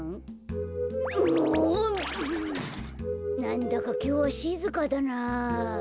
なんだかきょうはしずかだなあ。